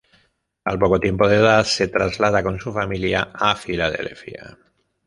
Al poco tiempo de edad, se traslada con su familia a Filadelfia.